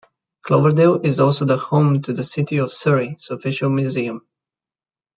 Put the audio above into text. Cloverdale is also the home to the City of Surrey's official Museum.